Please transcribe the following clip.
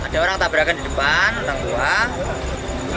ada orang tabrakan di depan tangguh